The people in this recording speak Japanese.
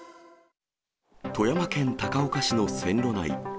富山県高岡市の線路内。